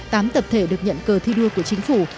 tám tập thể được nhận cờ thi đua của chính phủ